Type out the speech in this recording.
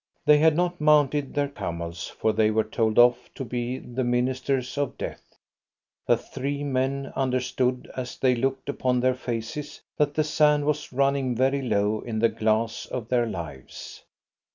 They had not mounted their camels, for they were told off to be the ministers of death. The three men understood as they looked upon their faces that the sand was running very low in the glass of their lives.